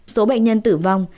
số bệnh nhân tử vong